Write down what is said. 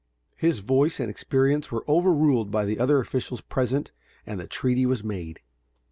His voice and experience were overruled by the other officials present and the treaty was made.